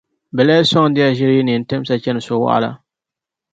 Bɛ lahi sɔŋdi ya ʒiri yi neen' timsa chani so' waɣila.